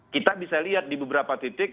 kita bisa lihat di beberapa titik